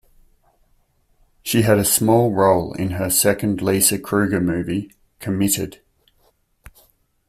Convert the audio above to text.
She had a small role in her second Lisa Krueger movie, "Committed".